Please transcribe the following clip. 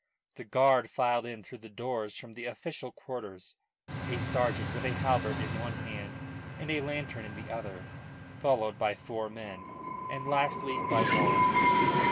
The guard filed in through the doors from the official quarters, a sergeant with a halbert in one hand and a lantern in the other, followed by four men, and lastly by Mullins.